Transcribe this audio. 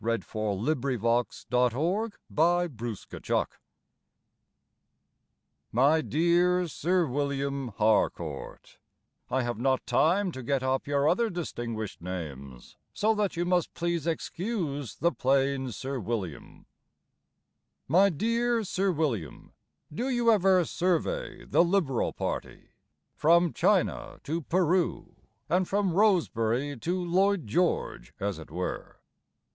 TO SIR WILLIAM HARCOURT My dear Sir William Harcourt, (I have not time to get up your other distinguished names, So that you must please excuse the plain Sir William), My dear Sir William, do you ever survey the Liberal party, From China to Peru, And from Rosebery to Lloyd George as it were?